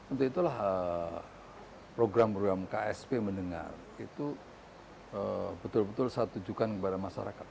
untuk itulah program program ksp mendengar itu betul betul saya tunjukkan kepada masyarakat